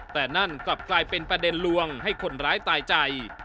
แต่นั่นกลับกลายเป็นประเด็นลวงให้คนร้ายตายใจ